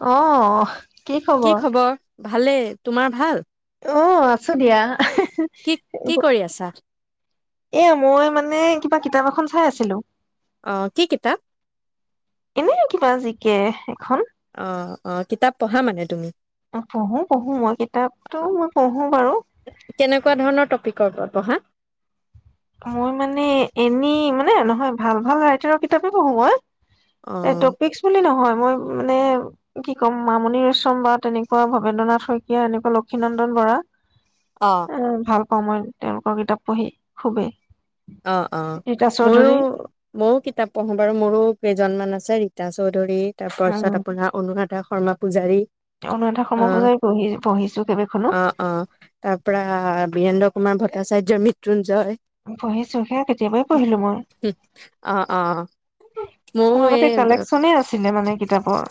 অ। কি খবৰ? ভালে তোমাৰ ভাল। অ আছো দিয়া। কি কি কৰি আছা? এ মই মানে কিবা কিতাপ এখন চাই আছিলো। অ', কি কিতাপ? কে এখন। অ' অ' কিতাপ পঢ়া মানে তুমি। পঢ়ো- পঢ়ো মই কিতাপটো মই পঢ়ো বাৰু। কি টপিকৰ ওপৰত পঢ়া। মই মানে এনেই মানে নহয় ভাল- ভাল ৰাইটাৰৰ কিতাপে পঢ়ো মই। এ, অ' টপিকছ বুলি নহয়। মই মানে কি ক'ম মামনি ৰয়চম বা তেনেকুৱা ভবেন্দ্ৰ নাথ শইকীয়া এনেকুৱা লক্ষ্মীনন্দন বৰা। অ' ভাল। সময়ত তেওঁলোকৰ কিতাপ পঢ়ি। খুবেই। অ' - অ ৰীতা চৌধুৰী 'ময়ো ময়ো কিতাপ পঢ়ো বাৰু মোৰো কেইজনমান আছে। ৰীতা চৌধুৰী। তাৰ আৰু পাছত আপোনাৰ অনুৰাধা শৰ্মা। শৰ্মা পূজাৰী। অনুৰাধা শৰ্মা অ' পূজাৰীৰ বহি পঢ়িছো কেবইবেখনো। অ' অ' তাৰ পৰা বীৰেন্দ্ৰ কুমাৰ ভট্টাচাৰ্যৰ মৃত্যুঞ্জয়। পঢ়িছো সেয়া কেতিয়াবাই পঢ়িলো মই। অ' অ', মোৰো মোৰ এই আগতে কালেকচনেই আছিলে মানে কিতাপৰ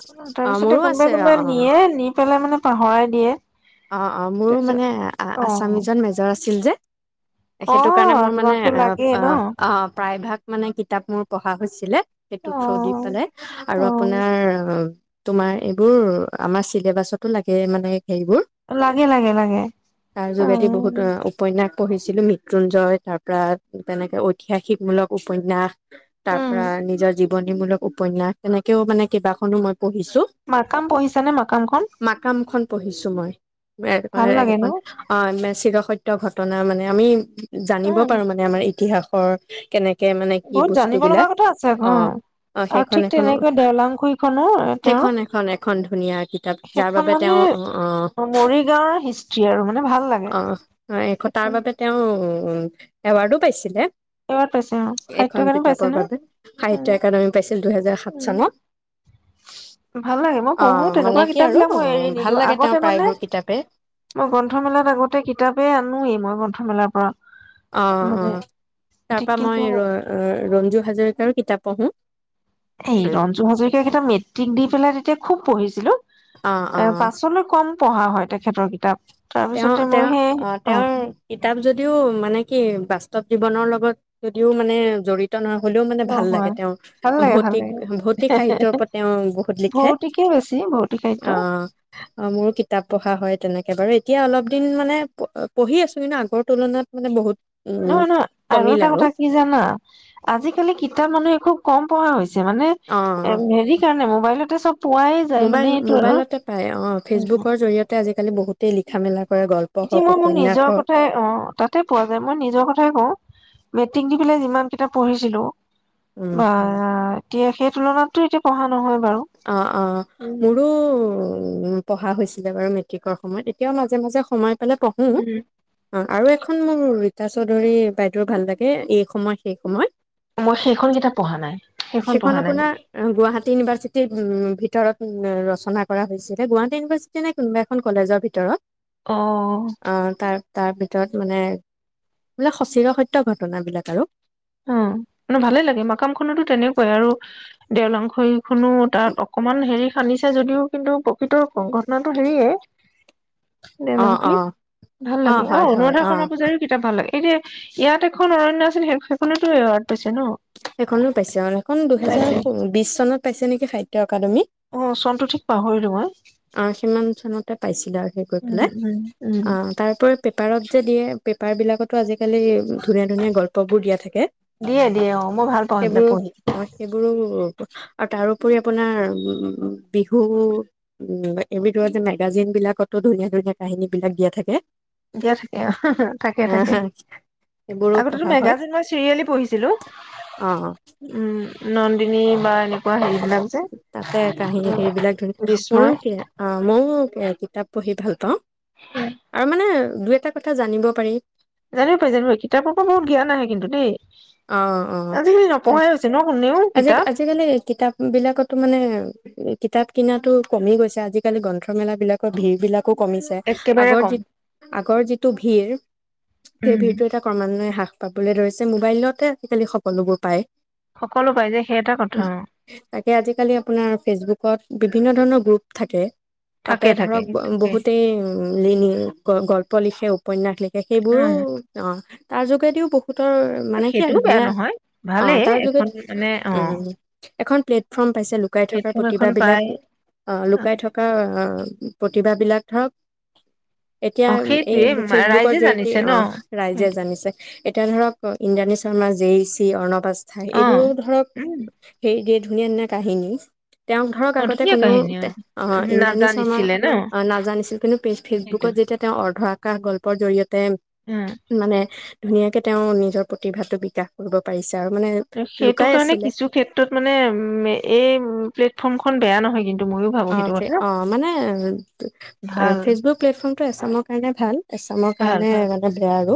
অ' মোৰো তাৰপিছতে আছে কোনোবাই কোনোবাই অ' নিয়ে নি পেলাই মানে। পাহৰাই দিয়ে। অ' অ' মোৰো তাৰপিছত মানে অ আছামিছন মেজৰ আছিল যে অ সেইটো কাৰণে মোৰ মানে তোমাকতো অ' লাগেই ন - অ '। মানে কিতাপ মোৰ পঢ়া হৈছিলে অ সেইটো থ্ৰ দি পেলাই আৰু অ আপোনাৰ তোমাৰ এইবোৰ আমাৰ চিলেবাছতো লাগে মানে হেৰিবোৰ। লাগে লাগে লাগে তাৰ যোগেদি বহুত উম উপন্যাস। পঢ়িছিলোঁ মৃত্যুঞ্জয় তাৰপৰা তেনেকৈ ঐতিহাসিকমূলক উপন্যাস। তাৰ উম পৰা নিজৰ জীৱ জীৱনীমূলক উপন্যাস তেনেকেও মানে কেইাখনো মই। পঢ়িছো মাকাম পঢ়িছ নে মাকামখন। পঢ়িছোঁ মই। ভাল মেঘমেৰে লাগে ন এখন অ', মেচ ষ সত্য ঘটনা মানে আমি জানিব উম পাৰো মানে আমাৰ ইতিহাস। ঘৰট কেনেক কে মানে কি বহুত জানিব বস্তু লগা বিলাক কথা আছে আকৌ অ', অ', আৰু সেইখন ঠিক এখনো তেনেকৈ দেওলাংখুইখনো তেওঁৰ সেইখন এখন এখন ধুনীয়া কিতাপ যাৰ সেইখন বাবে মানে তেওঁ অ', অ'। মৰিগাঁৱৰ হিষ্ট্ৰ্ৰী আৰু মানে ভাল লাগে অ এ তাৰ সেইখন। বাবে তেওঁ এৱাৰ্ডো পাইছিলে। এইবাৰ পাইছে অ সাহিত্য এখন অকাডেমী পাইছে কিতাপৰ ন বাবে সাহিত্য উম, একাডেমি পাইছে। উম ভাল লাগে মই অ পঢ়ো মানে তেনেকুৱা কি কিতাপ আৰু বিলাক অ মই এৰি ভাল নিদিওঁ লাগে তেওঁৰ আগতে মানে প্ৰায়বোৰ কিতাপে মই গ্ৰন্থমেলাত আগতে কিতাপেই আনোৱয়েই মই গ্ৰন্থমেলাৰ পৰা অ', মানে অ', তাৰ পৰা কিন্তু মই ৰ ৰঞ্জু হাজৰিকাৰ কিতাপ পঢ়ো। এই অ ৰঞ্জু হাজৰিকাকেইটা মেট্ৰিক দি পেলাই তেতিয়া খুব অ পঢ়িছিলো পাছলৈ কম পঢ়া হয় তেখেতৰ কিতাপ। তেওঁ তাৰপিছতে মই তেওঁ সেই অ', তেওঁৰ কিতাপ যদিও মানে কি বাচ চতৱ জীৱনৰ লগত যদিও মানে জড়িত তনৰ হ'লেও মানে ভাল নহয় লাগে তেওঁ ভাল লাগে ভাল ভৌতিক লাগে ভৌতিক সাহিত্যৰ ওপৰত তেওঁ বহুত লিখে ভৌতিকে বেছি ভৌতিক সাহিত্য অ', মোৰো কিতাপ পঢ়া হয়। তেনেকে বাৰু এতিয়া অলপ দিন মানে পঢ়ি আছো কিন্তু আগৰ তুলনাত মানে বহুত উম নহয়, নহয় আৰু এটা কথা কি জানা আজিকালি কিতাপ মানুহে খুব কম পোৱা হৈছে। মানে অ এ হেৰি কাৰণে মোৰ। মাইলতে চব পোৱাই যায় মানে মোবাইল এইটো আৰু মোবাইলতে পাই অ', উম, ফেচবুকৰ জৰিয়তে বহুতে লিখা মেলা কৰে গল্প এতিয়া হওক মই মোৰ উপন্যাস নিজৰ হওক কথাই অ', তাতে পোৱা যায় মই নিজৰ কথাই কওঁ। মেট্ৰিক দি পেলাই যিমান কিতাপ পঢ়িছিলো। উম বা এতিয়া সেই তুলনাতোটো এতিয়াতো পঢ়া নহয়। বাৰু। অ', অ', উম, মোৰো। উম, পঢ়া হৈছিলে বাৰু মেট্ৰিকৰ সময়ত এতিয়াও মাজে মাজে সময়। মানে কো অ আৰু এখন মোৰ ৰীতা চৌধুৰী বাইদেউ ভাল লাগে এই সময় সেই সময় মই সেইখন কিতাপ পঢ়া নাই সেইখন পঢ়া নাই মই আপোনাৰ গুৱাহাটী ইউনিভাৰ্চিটিৰ উম ভিতৰত ৰচনা কৰা হৈছিলে গুৱাহাটী ইউনিভাৰ্চিটি নে কোনোবা এখন কলেজৰ ভিতৰত অ অ তাৰ তাৰ ভিতৰত মানে বোে সচিৰ সত্্য ঘটন বিলাক আৰু উম, দেওলং হৈ শুনো তাত অকমান হেৰি ান্িছে যদিও কিন্তু প্ৰকৃতৰ ঘটনাটো হেৰিয়ে দে অ অ মাংসুুৰ ভাল অ লাগে আৰু হয় হয় অনুৰাধা অ শৰ্মা পূজাৰীও কিতাপ ভাল লাগে এতিয়া ইয়াত এখন অৰণ্য আছিল সেই ুতো সেৱাৰ দিছে ন এখনো পাইছে এখন দুহেজাৰ পাইছে। বিশ চনত পাইছে নেকিাহিত্যকাডেী অ চনটো ঠিক পাহৰিলো মই এটা পাইছিল আৰু উম, পেলাই উম, উম, অ তাৰপ পেপাৰত যে দিয়ে পেপাৰবিলাকতো আজিকালি আজিকালি ধুনীয়া ধুনীয়া গল্প বোৰ দিয়া থাকে দিয়ে দিয়ে অ', মই ভাল পাওঁ সেইবিলাক সেইবোৰ পঢ়ি অ সেইবোৰো আৰু তাৰোপৰি আপোনাৰ উ বিহু উ এই ভিত যে মেগাজিন বিলাকতো ধুনীয়া ধুনীয়া কাহিনী বিলাক দিয়া থাকে দিয়া থাকে অ থাকে আহ থাকে সেইবোৰো আগতেতো পঢ়া হয় মেগাজিন মই চিৰিয়েল পঢ়িছিলো অ উম নন্দিনী বা এনেকুৱা হেৰি তাতে কাহী সেইবিলাক ধুনীয়া বিস্ময় মইও ময়ো কিতাপ পঢ়ি ভাল পাওঁ আৰু মানে দুই এটা কথা জানিব পাৰি জানিব পাই জানিব পি কিতাপৰ পৰা বহত জঞান আহে কিন্তু দেই অ অ আজিকালি তাক নপঢ়াই হৈছে ন কোনেও আজি কিতাপ আজিকালি কিতাপ বিলাকতো মানে কিতাপ কনাাতো কমি গৈছে আজিকালি গ্ৰন্থমেলা বিলাকৰ ভিৰ বিলাক কমিছে একেবাৰে আগৰ যি কম আগৰ যি ভিৰ সেই উম, ভিৰটো এটা ক্ৰমান্বয়ে হ্ৰাস পাবলৈ ধৰিছে মোবাইলত তে আজিকালি সকলোবোৰ পায় সকলো পাই যে সেই এটা কথা উ অ তাকে আজিকালি আপোনাৰ ফেচবুকত বিভিন্ন ধৰণৰ গ্ৰুপ থাকে তাতে থাকে থাকে ধৰক থাকে বহুতেই গল প লিখেও উপন্যাস লিখে সেইবোৰো উম, অ তাৰ যোগেদিও বহু তৰ মানে এ সেইটোও বেয়া ধুনীয়া নহয় ভালেই তাৰ এখন যোগেদি মানে অ', ওম এখন প্লেটফৰ্ম পাইছে লুকাই থকা প্লেটফৰ্ম এখন পাই প্ৰতিভাবিলাক অ লুকাই থকা প্ৰতিভাবিলাক ধৰক এতিয়া অ', এই সেইটোয়ে ফেচবুকৰ ৰাইজে জৰিয়তে জানিছে ন অ ৰাইজে সেইটো জানিছে এতিয়া ধৰক ইণ্ডানিছ শৰ্মা জে চি অৰ্ণৱ পস্থাই অ এইবোৰো ধৰক উম, হেই দেট ধুনীয়া ধুনীয়া কাহিনী তেওঁক ধৰক অ আগতে ধুনীয়া কোনেও কাহিনী অ অহ ইন্দ্ৰাণী শৰ্মা নাজানিছিলে ন নাজানিছিল কিন্তু পে ফেচবুকত সেইটো যেতিয়া তেওঁ অৰ্ধৰা এটা গল্পৰ জৰিয়তে তে অ মানে ধুনীয়াক কে তেওঁ নিজৰ প্ৰতিভাতো বিকাশ কৰিব পাৰিছে আৰু মানে সেইটো লুকাই কাৰণে আছিলে কিছু ক্ষেত্ৰত মানে উম এই প্লেটফৰ্মখন বেয়া নহয় কিন্তু ময়ো ভাবো অ সেইটো ফে কথা অ মানে ভাল ফেচবুক প্লেটফৰ্ম এছামৰ কাৰণে ভাল এছামৰ ভাল কাৰণে ভাল মানে বেয়া আৰু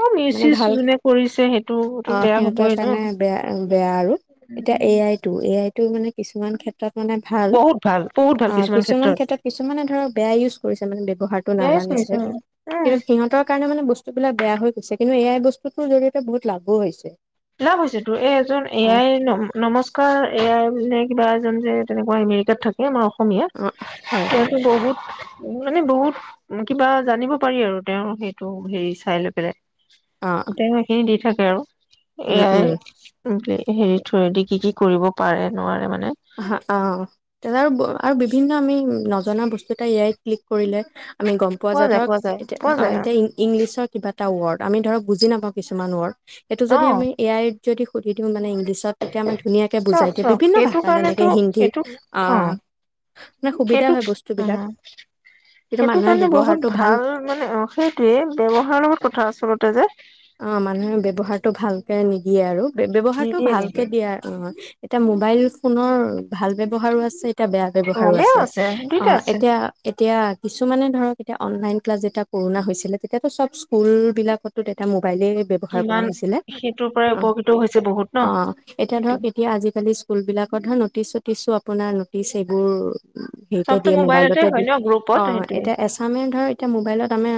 অ মিউজ মানে চিউজ ভাল যোনে কৰিছে সেইটো টো অ বেয়া সিহতৰ হবই ন কাৰণে বেয়া বেয়া আৰু এতিয়া A I two A I মানে কিছুমান ক্ষেত্ৰত তাত মানে ভাল বহুত ভাল বহুত ভাল অ কিছুমান ক্ষেত্ৰত কিছুমানে ধৰ বেয়া ইউজ কৰিছে মানে ব ব্যৱহাৰটো এয়াই নাজানিছে কৰিছে অ', কি উম কিন্তু সিহঁতৰ কাৰণে মানে বস্তুবিলাক বেয়া হৈ গৈছে কিন্তু এ আই বস্তুটোৰ জৰিয়তে বহুত লাভো হৈছে লাভ হৈছে তোৰ এই এজন অ এ আই ন নমস্কাৰ এ আই নে কিবা এজন যে তেনেকোৱা এমেৰিকাত থাকে আমাৰ অ অসমীয়া অ হয় তেওঁ কে বহুত মানে বহুত কিবা জানিব পাৰি আৰু তেওঁ সেইটো হেৰি চাই লৈ অ পেলাই তেও সেখিনি দি থাক তেওঁ এ উম আই উম সেইটোয়ে হেৰি থয়দি কি কি কৰিব পাৰে নোৱাৰে মানে অ অ এ আৰু বিভিন্ন আমি নজনা বস্তু এটা ইয়াই ক্লিক কৰিলে আমি গম পোৱা যায় ধৰক এতিয়া এতিয়া ইংলিছত কিবাটা ৱৰ্ডমি ধৰক বুজি নাওঁছুমান ৱৰ্ড এইেইটো অ যদি আমি এয়াই যদি সুধি দিওঁ মানে ইংলিছত তেতিয়া মই ধুনীয়াকে বুজাই দিয়ে বিভিন্ন বাাস কাৰণেতটো সেইটো অ মানে সুবিধা হয় সেইটোক উ বস্তুবিলাক কিন্তু সেইটো মানুহে কাৰণে বহুত ব্যৱহাৰটো ভাল মানে সেইটোৱে ব্যৱহাৰৰ লগত কথা আচলতে যে অ মানুহে ব্যৱহাৰটো ভালকে নিদিয়ে আৰু ব্যৱহাৰটো নিদিয়ে ভালকে নিদিয়ে দিয়া এতিয়া মোবাইল ফোনৰ ভাল ব্যৱহাৰো আছে এয়া বেয়া অ ব্যৱহাৰো বেয়াও আছে অ দুইটা আছে এতিয়া এতিয়া কিছুমানে ধৰক এতিয়া অনলাইন ক্লাছ যেতিয়া কৰোণা হৈছিলে তেতিয়াাতো চব স্কুল বিলাকতো ত কাইলেই ব্যৱহাৰ কৰা কিমান হৈছিলে সেইটোৰ পৰাই অ উপকৃত হৈছে বহুত ন আ এতিয়া ধৰা সেইটো কেতিয়া আজিকালি ছোৱালী স্কুল বিলাকৰ ধৰ নটিচ চটিচো আপোনাৰ নটিচ এইবোৰ হেৰিতে চবতো দিয়ে মোবাইলতে হয় দিয়ে ন গ্ৰুপত অ সেইটোৱে এতিয়া এছামে ধৰ এতিয়া মোবাইলত আমাৰ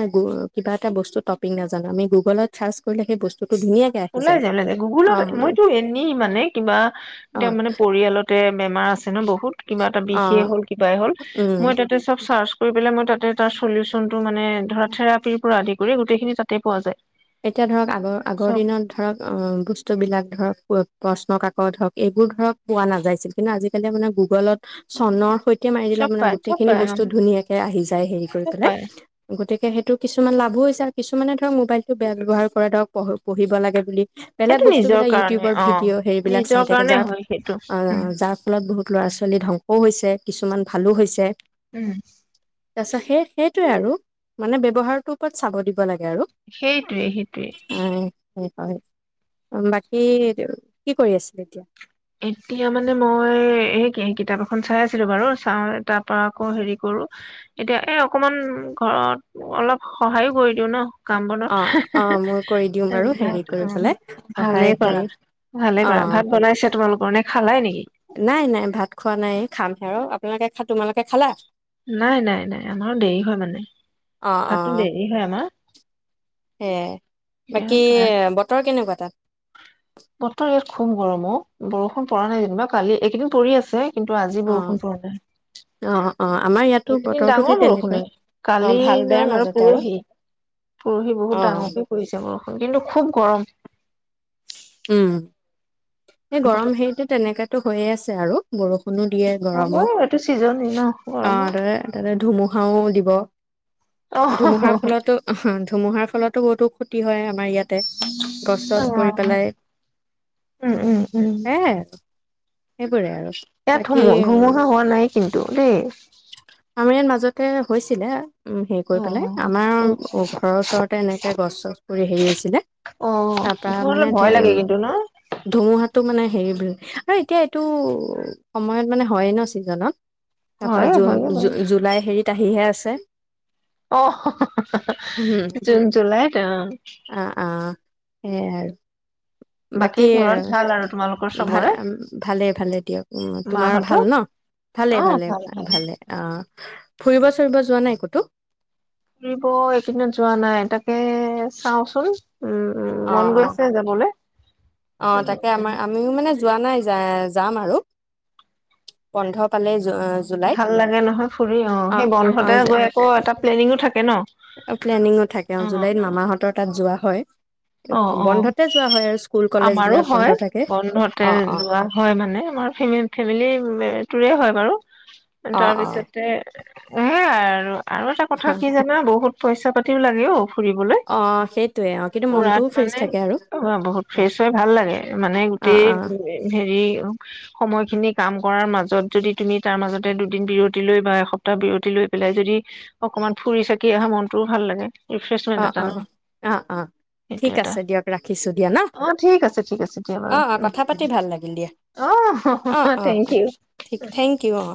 কিবা এটা বসুটপি নাজানো আিু গুগলত চাৰ্চ কৰিলে সেই বস্তু ওলাই যায় ওলাই যায় গুগলত মইতো এনেই মানে কিবা তাৰ অ', মানে পৰিয়ালতে বেমাৰ আছে ন বহুত কিবা এটা বিষে অ', হল কিব হল উম, মই তাতে চব চাৰ কৰি পেলাই মই তাতে তাৰ চলিউচন টো মানে ধৰা থেৰাপিৰ পৰা আদি কৰি গোটেইখিনি তাতে পোৱা যায় এতিয়া ধৰক আগৰ আগৰ চব দিনত ধৰক অ বস্তুবিলাক ধৰক প্ৰশ্ন কাকত ধৰক এইবোৰ ধৰক পোৱা নাযাইছিল কিন্তু আজিকালি মানে গুগলত চনৰ সৈতে এয়া মাৰি দিলে চব আপোনাৰ পায় গোটেই চব খিনি পায় অ বস্তু ধুনীয়াকে আহি যায় হেৰি কৰি চব পেলাই পায় গতিকে সেইটো কিছুমান লাভো হৈছে আৰু কিছুমানে ধৰক মোবাইল টো বেয়া ব্যৱহাৰ কৰে ধৰক প পঢ়িব লাগে বুলি বেলেগ সেইটো বস্তু নিজৰ বিলাক কাৰণে ইউটিউবৰ অ ভিডিঅ' হেৰিবিলাক নিজৰ চাই থাকে কাৰণে যাৰ হয় সেইটো উম যাৰ ফলত বহুত ল'ৰা ছোৱালী ধ্বংসও হৈছে কিছুমান ভালো হৈছে উম তাৰ পিছত সেই সেইটোৱে আৰু মানে ব্যৱহাৰটোৰ ওপৰত চাব দিব লাগে আৰু সেইটোৱে সেইটোৱে হয় হয় বাকী কি কৰি আছিল এতিয়া এতিয়া মানে মই এই কি কিতাপ এখন চাই আছিলো বাৰু চাওঁ তাৰ পৰা আকৌ হেৰি কৰো এতিয়া এই অকমান ঘৰত অলপ সহায়ো কৰি দিওঁ ন কাম বনত, অ' অ' মোৰ কৰি দিওঁ বাৰু হেৰি ভাত অ কৰি পেলাই সহায় ভালেই কৰা হেৰি ভালেই কৰা অ' ভাত বনাইছে তোমালোকৰ নে খালাই নেকি নাই নাই ভাত খোৱা নাই, খামহে আৰু তোমালোকে তোমালোকে খালা? নাই নাই নাই আমাৰো দেৰি হয় মানে, ভাতটো দেৰি হয় আমাৰ এয়াই, এতিয়া বাকী চাৰে বতৰ কেনেকুৱা তাত? বতৰ ইয়াত খুব গৰম অ বৰষুণ পৰা নাই যেনিবা কালি এইকেইদিন পৰি আছে। কিন্তু আজি অ', বৰষুণ পৰা নাই। অ', অ', আমাৰ ইয়াতো এইকেইদিন বতৰটো সেই ডাঙৰ তেনেকুৱা। বৰষুণেই, অ', কালি ভাল না বেয়াৰ আৰু মাজতে পৰহি, পৰহি বহুত অ'। ডাঙৰকে পৰিছে বৰষুণ। কিন্তু খুব গৰম। উম, এই গৰম হেৰিটো তেনেকা টো হৈয়ে আছে আৰু, বৰষু- নো দিয়ে, গৰমো হ'বই এইটো ছিজনে ন অ গৰমৰ ত তাতে ধুমু- হাও দিব অ ধুমুহাৰ ফলতো, ধুমুহাৰ ফলত বহুতো ক্ষতি হয় আমাৰ ইয়াত গছ চছ পৰি পেলাই উম উম উম সেয়াই সেইবোৰে আৰু ইয়াত বাকী ধুমু ধুমুহা হোৱা নাই কিন্তু দেই আমাৰ ইয়াত মাজতে হৈছিলে উ হেৰি কৰি অ পেলাই অ আমাৰ ঘৰৰ ওচৰতে এনেকে গছ চছ পৰি হেৰি হৈছিলে, অ তা পা ধুমুহালে মানে ভয় লাগে কিন্তু ন ধুমুহাতটো মানে হেৰিব আৰু এতিয়া এইটো সময়ত মানে হয়ে ন চিজনত তাৰপা হয় জু হয়ে বাৰু জুলাই হেৰিত আহিহে আছে ে অ জুন জুলাইত অ সেয়াই আৰু বাকী ঘৰত ভাল আৰু তোমালোকৰ ভা চবৰে ভালে ভালে দিয়ক, উ তোমাৰ মাহঁতৰ ভাল ন? ভালে অ ভালে ভাল ভাল ভালে অ ফুৰিব চুৰিব যোৱা নাই কতো? ফুৰিব এইকেইদিনত যোৱা নাই তাকে চাওচোন। উম উ অ মন গৈ অ আছে যাবলে অ তাকে আমাৰ আমিও মানে যোৱা নাই য আৰু বন্ধালে ভাল লাগে নহয় ফুৰি অ সেই বন্ধতে গৈ আকৌ এটা প্লেনিং ও থাকে ন প্লেনিংও থাকে অ জুলাইত মামাহঁতৰ তাত যোৱা হয় অ অ বন্ধতে যোৱা হয় আৰু স্কুল কলেজ আমাৰো বিলাক বন্ধ হয় থাকে বন্ধতে অ অ যোৱা হয় মানে আমাৰ ফেমিলি ৰে হয় বাৰু অ অ তাৰপিছতে সয়াই আৰু আৰু এটা কথা কি জানা বহুত পইচা পাতিব লাগে অ অ সেইটয়ে অ কিন্তু খুৰাত মনটোও ফ্ৰেছ মানে থাকে আৰু অ বহুত অ ফ্ৰেছ হয় ভাল লাগে মানে অ গোটেই হেৰি সময়খিনি কাম কৰাৰ মাজত যদি তুমি তাৰ মাজতে দুদিন বিৰতি লৈ বা এসপ্তাহ বিৰতি লৈ পেলাই যদি অকমান ফুৰি চাকি আহা মনটোও ভাল লাগে ৰিফ্ৰেছমেন্ট অ এটা অ ন অ অ অ সেইটো ঠিক এটা আছে দিয়ক ৰাখিছোঁ দিয়া ন অঁ ঠিক আছে ঠিক আছে দিয়া অ বাৰু অ কথা পাতি ভাল লাগিল দিয়া অ থেংক ইউ ঠিক থেংক ইউ অ